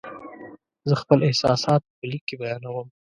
زه خپل احساسات په لیک کې بیانوم.